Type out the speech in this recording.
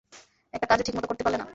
একটা কাজও ঠিক মতো করতে পারলে না।